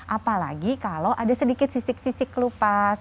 apalagi kalau ada sedikit sisik sisik lupas